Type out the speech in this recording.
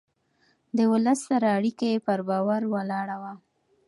د ولس سره اړيکه يې پر باور ولاړه وه.